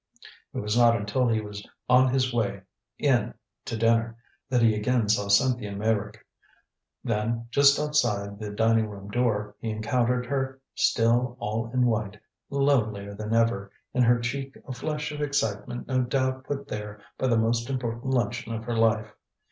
It was not until he was on his way in to dinner that he again saw Cynthia Meyrick. Then, just outside the dining room door, he encountered her, still all in white, lovelier than ever, in her cheek a flush of excitement no doubt put there by the most important luncheon of her life.